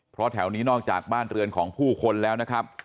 เพราะแถวนี้นอกจากบ้านเรือนของผู้คนแล้วนะครับ